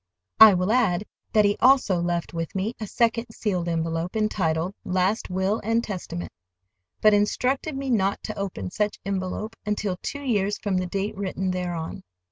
I will add that he also left with me a second sealed envelope entitled "Last Will and Testament," but instructed me not to open such envelope until two years from the date written thereon.